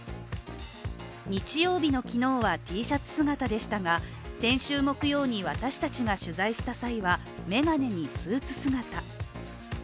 日曜日の昨日はＴシャツ姿でしたが、先週木曜に私たちが取材した際は眼鏡にスーツ姿。